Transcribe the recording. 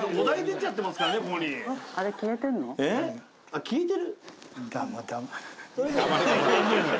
あっ消えてる？